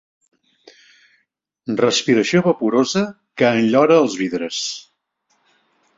Respiració vaporosa que enllora els vidres.